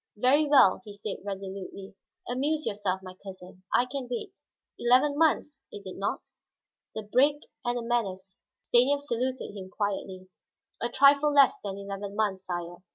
"Very well," he said resolutely. "Amuse yourself, my cousin; I can wait. Eleven months, is it not?" The break, and the menace. Stanief saluted him quietly. "A trifle less than eleven months, sire.